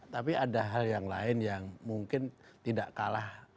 tapi ada hal yang lain yang mungkin tidak kalah